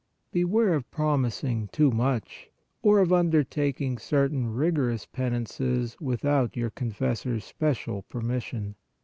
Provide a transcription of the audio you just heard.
Beware of promising too much, or of undertaking certain rigorous penances without your confessor s special permission.